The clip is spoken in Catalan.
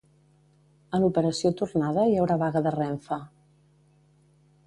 A l'operació tornada hi haurà vaga de Renfe.